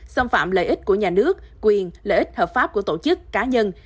xâm phạm lợi ích của nhà nước quyền lợi ích hợp pháp của tổ chức cá nhân